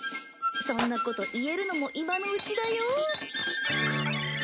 そんなこと言えるのも今のうちだよ。